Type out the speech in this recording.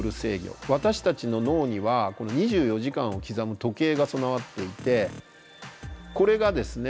私たちの脳には２４時間を刻む時計が備わっていてこれがですね